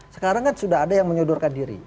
sekarang kan sudah ada yang menyodorkan diri